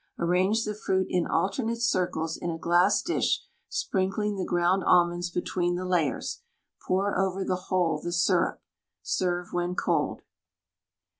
Arrange the fruit into alternate circles in a glass dish, sprinkling the ground almonds between the layers. Pour over the whole the syrup. Serve when cold.